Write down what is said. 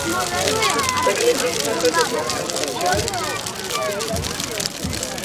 ეკლესიის ფასადები არ გამოირჩევა დიდი მორთულობით.